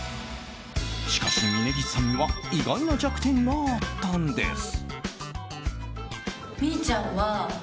しかし峯岸さんには意外な弱点があったんです。